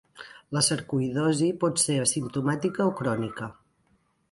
La sarcoïdosi pot ser asimptomàtica o crònica.